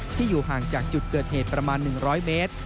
อยู่ห่างจากจุดเกิดเหตุประมาณ๑๐๐เมตร